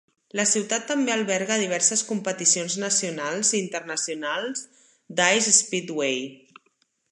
La ciutat també alberga diverses competicions nacionals i internacionals d'Ice Speedway.